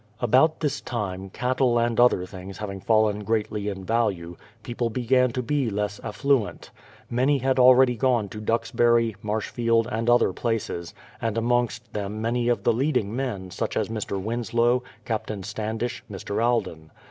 About this time, cattle and other things having fallen greatly in value, people began to be less affluent. Many had already gone to Duxbury, Marshficld, and other places, and THE PLYMOUTH SETTLEMENT 311 amongst tliem many of the leading men, such as Mr. Winslow, Captain Standish, Mr. Alden.